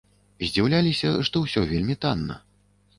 Здзіўляліся, што ўсё вельмі танна.